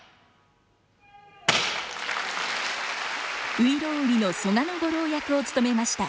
外郎売の曾我五郎役をつとめました。